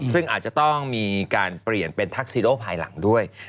ซึ่งอาจจะต้องมีการเปลี่ยนเป็นทักซิโอภายหลังด้วย